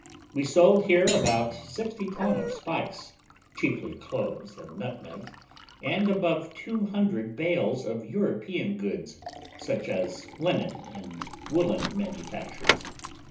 We sold here about sixty ton of spice, chiefly cloves and nutmegs, and above two hundred bales of European goods, such as linen and woollen manufactures.